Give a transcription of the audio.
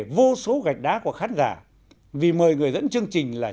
vô số gạch đá của khán giả vì mời người dẫn chương trình là